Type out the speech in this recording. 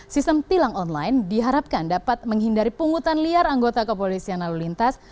sistem tilang online diharapkan dapat menghindari pungutan liar anggota kepolisian lalu lintas